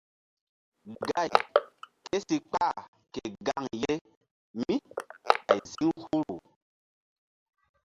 Gáy ké si kpah ke gaŋ mí ɓay ziŋ huhru.